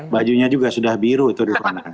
bajunya juga sudah biru itu diperanakan